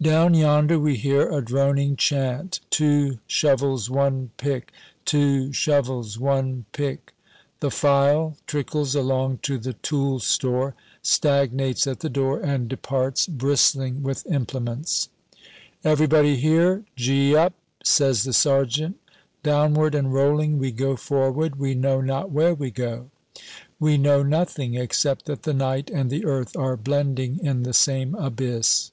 Down yonder we hear a droning chant "Two shovels, one pick, two shovels, one pick " The file trickles along to the tool store, stagnates at the door, and departs, bristling with implements. "Everybody here? Gee up!" says the sergeant. Downward and rolling, we go forward. We know not where we go. We know nothing, except that the night and the earth are blending in the same abyss.